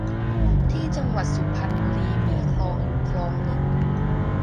ที่จังหวัดสุพรรณบุรีมีคลองอยู่คลองหนึ่ง